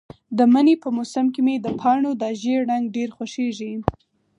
د مني په موسم کې مې د پاڼو دا ژېړ رنګ ډېر خوښیږي.